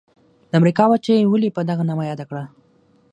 د امریکا وچه یې ولي په دغه نامه یاده کړه؟